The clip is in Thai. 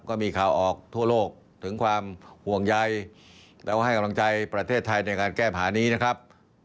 ก็มีข่าวออกทั่วโลกถึงความห่วงใยแล้วก็ให้กำลังใจประเทศไทยในการแก้ผานี้นะครับ